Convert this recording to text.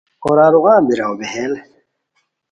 اورارو غم بیراؤ بیہیل